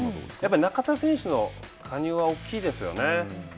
中田選手の加入は大きいですよね。